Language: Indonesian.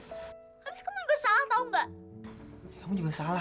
habis kamu juga salah tau gak